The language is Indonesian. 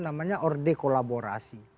namanya orde kolaborasi